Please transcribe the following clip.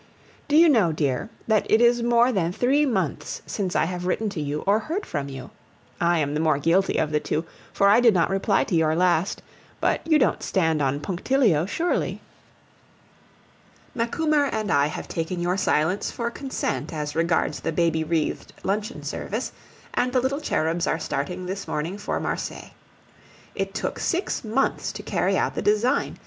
Do you know, dear, that it is more than three months since I have written to you or heard from you? I am the more guilty of the two, for I did not reply to your last, but you don't stand on punctilio surely? Macumer and I have taken your silence for consent as regards the baby wreathed luncheon service, and the little cherubs are starting this morning for Marseilles. It took six months to carry out the design.